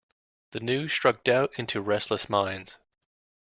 The news struck doubt into restless minds.